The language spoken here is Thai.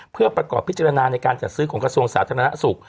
เพื่อประกอบพิจารณาในการจัดซื้อของกระทรวงสาธารณสุข